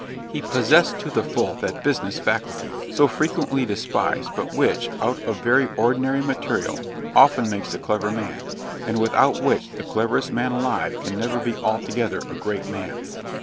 He possessed to the full that "business" faculty, so frequently despised, but which, out of very ordinary material, often makes a clever man; and without which the cleverest man alive can never be altogether a great man.